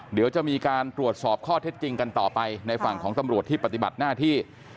เดี๋ยวจะมีการตรวจสอบข้อเท็จจริงกันต่อไปในฝั่งของตำรวจที่ปฏิบัติหน้าที่